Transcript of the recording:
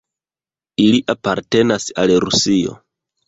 Ili apartenas al Rusio.